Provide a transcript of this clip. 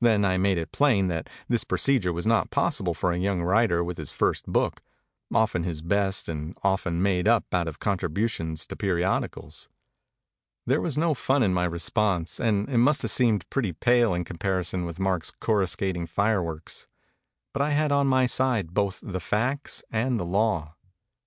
Then I made it plain that this procedure was not possible for a young writer with his first book, often his best and often made up out of contributions to periodicals. There was no fun in my response and it must have seemed pretty pale in comparison with Mark's corruscating fireworks; but I had on my side both the facts and the law.